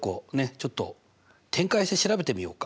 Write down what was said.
ちょっと展開して調べてみようか。